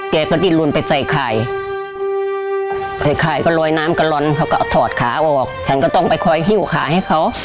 แกก็ดิ้นลนไปใส่ไข่ก็ลอยน้ำกะลอนเขาก็ถอดขาออกฉันก็ต้องไปคอยหิ้วขาให้เขา